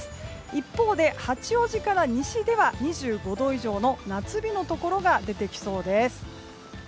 一方で八王子から西では２５度以上の夏日のところが出てきそうです。